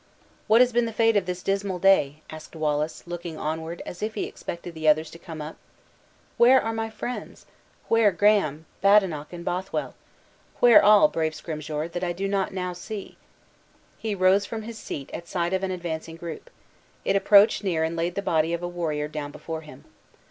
"What has been the fate of this dismal day?" asked Wallace, looking onward, as if he expected others to come up. "Where are my friends? Where Graham, Badenoch and Bothwell? Where all, brave Scrymgeour, that I do not know see?" He rose from his seat at sight of an advancing group. It approached near and laid the dead body of a warrior down before him.